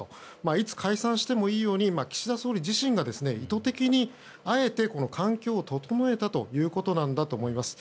いつ解散してもいいように岸田総理自身が意図的に、あえて環境を整えたということだと思います。